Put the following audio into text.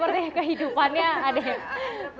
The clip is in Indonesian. maksudnya kehidupannya ada yang